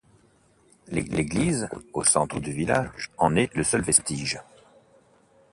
L'église, au centre du village, en est le seul vestige.